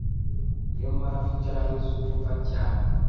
Ni yo mpamvu injangwe zumva cyane